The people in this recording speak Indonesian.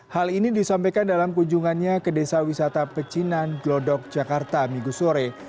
hal ini disampaikan dalam kunjungannya ke desa wisata pecinan glodok jakarta minggu sore